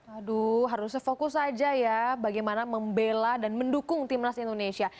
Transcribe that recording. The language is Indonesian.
aduh harus sefokus saja ya bagaimana membela dan mendukung timnas indonesia